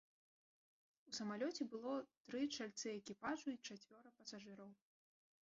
У самалёце было тры чальцы экіпажу і чацвёра пасажыраў.